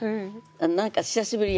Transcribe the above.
何か久しぶり